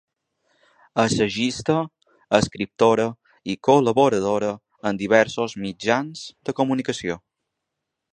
Assagista, escriptora i col·laboradora en diversos mitjans de comunicació.